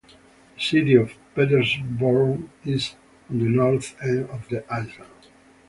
The city of Petersburg is on the north end of the island.